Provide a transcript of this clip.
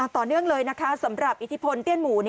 ต่อเนื่องเลยนะคะสำหรับอิทธิพลเตี้ยนหมู่